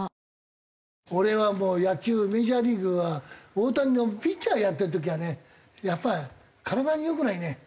俺はもう野球メジャーリーグは大谷のピッチャーやってる時はねやっぱり体に良くないね。